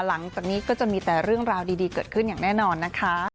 หลังจากนี้ก็จะมีแต่เรื่องราวดีเกิดขึ้นอย่างแน่นอนนะคะ